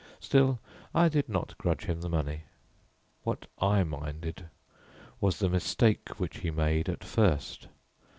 Still I did not grudge him the money. What I minded was the mistake which he made at first.